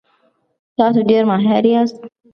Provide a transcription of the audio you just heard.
تاسو ډیر ماهر یاست.